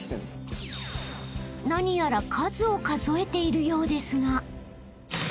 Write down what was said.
［何やら数を数えているようですが］